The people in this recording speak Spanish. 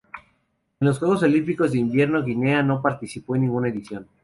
En los Juegos Olímpicos de Invierno Guinea no ha participado en ninguna edición.